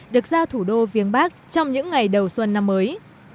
được ra thủ đô viếng bắc trong những ngày đầu xuân năm mới